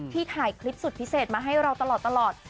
ถ่ายคลิปสุดพิเศษมาให้เราตลอด